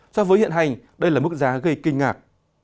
so với hiện hành đây là mức giá gây kinh ngạc